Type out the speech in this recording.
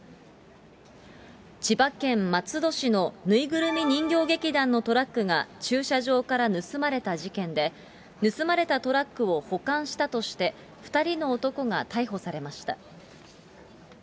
千葉県松戸市のぬいぐるみ人形劇団のトラックが駐車場から盗まれた事件で、盗まれたトラックを保管したとして、２人の男が逮捕されました。